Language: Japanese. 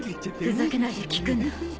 ふざけないで聞くんだ。